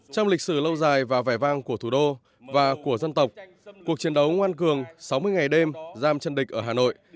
trong lịch sử lâu dài và vẻ vang của thủ đô và của dân tộc cuộc chiến đấu ngoan cường sáu mươi ngày đêm giam chân địch ở hà nội